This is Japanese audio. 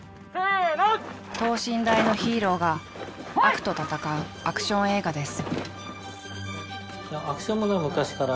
等身大のヒーローが悪と戦うアクション映画です。